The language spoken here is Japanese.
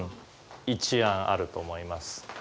一案あると思います。